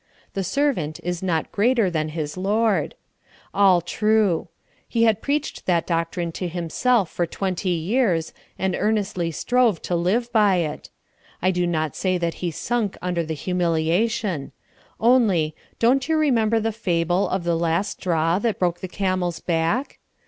"The servant is not greater than his lord." All true; he had preached that doctrine to himself for twenty years, and earnestly strove to live by it. I do not say that he sunk under the humiliation; only, don't you remember the fable of the last straw that broke the camel's back?